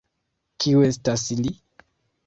Kiu estas li?